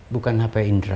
bukan hp indra